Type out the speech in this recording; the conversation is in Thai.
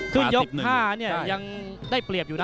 คือยก๕เนี่ยยังได้เปรียบอยู่นะ